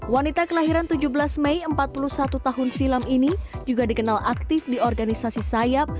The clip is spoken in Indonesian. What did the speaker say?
wanita kelahiran tujuh belas mei empat puluh satu tahun silam ini juga dikenal aktif di organisasi sayap